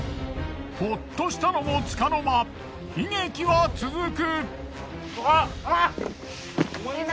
ほっとしたのも束の間悲劇は続く。